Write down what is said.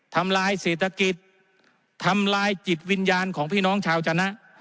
ทำลายเศรษฐกิจทำลายจิตวิญญาณของพี่น้องชาวจนะ